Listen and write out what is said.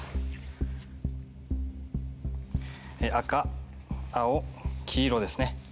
赤青黄色ですね。